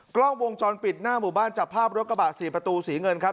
กล้องวงจรปิดหน้าหมู่บ้านจับภาพรถกระบะ๔ประตูสีเงินครับ